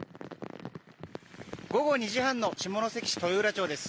午後２時半の下関市豊浦町です。